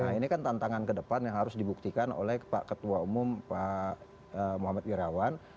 nah ini kan tantangan ke depan yang harus dibuktikan oleh pak ketua umum pak muhammad wirawan